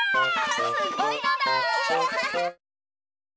すごいのだ！